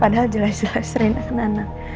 padahal jelas jelas rina kena anak